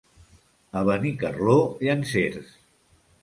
A Benicarló, llancers.